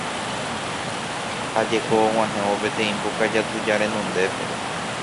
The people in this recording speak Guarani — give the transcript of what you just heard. Ha jeko og̃uahẽvo peteĩ mbokaja tuja renondépe.